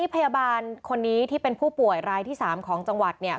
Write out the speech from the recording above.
พยาบาลคนนี้ที่เป็นผู้ป่วยรายที่๓ของจังหวัดเนี่ย